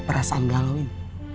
seperti seseorang lain